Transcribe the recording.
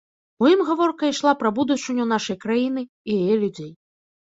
У ім гаворка ішла пра будучыню нашай краіны і яе людзей.